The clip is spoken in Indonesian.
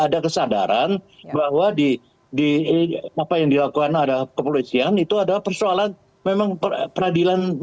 ada kesadaran bahwa di apa yang dilakukan ada kepolisian itu adalah persoalan memang peradilan